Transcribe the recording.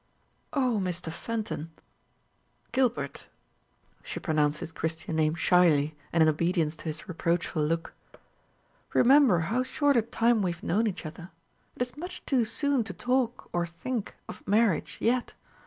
"O Mr. Fenton Gilbert," she pronounced his Christian name shyly, and in obedience to his reproachful look, "remember how short a time we have known each other. It is much too soon to talk or think of marriage yet.